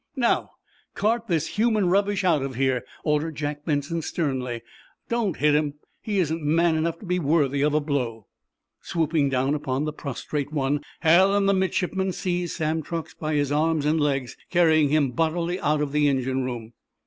"Now, cart this human rubbish out of here!" ordered Jack Benson, sternly. "Don't hit him—he isn't man enough to be worthy of a blow!" Swooping down upon the prostrate one, Hal and the midshipmen seized Sam Truax by his arms and legs, carrying him bodily out of the engine room.